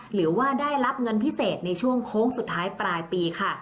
หรือว่าได้รับเงินพิเศษในช่วงโค้งสุดท้ายปลายปีค่ะ